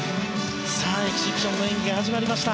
さあ、エキシビションの演技が始まりました。